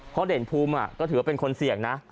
เพราะเด่นภูมิก็ถือว่าเป็นคนเสี่ยงนะ